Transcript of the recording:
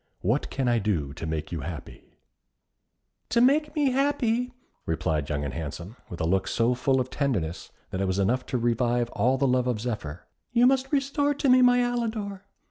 What can I do to make you happy?" [Illustration: Young and Handsome. P. 128.] "To make me happy," replied Young and Handsome, with a look so full of tenderness that it was enough to revive all the love of Zephyr, "you must restore to me my Alidor.